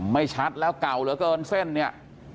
ไม่ชัดแล้วเก่าเหลือเกินเส้นเนี่ย